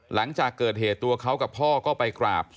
หลังจากเกิดเหตุตัวเขากับพ่อก็ไปกราบ